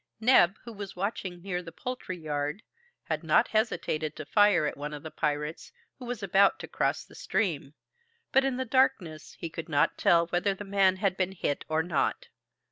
Neb, who was watching near the poultry yard, had not hesitated to fire at one of the pirates, who was about to cross the stream; but in the darkness he could not tell whether the man had been hit or not.